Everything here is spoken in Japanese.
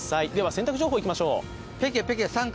洗濯情報、いきましょう。